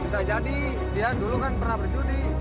sudah jadi dia dulu kan pernah berjudi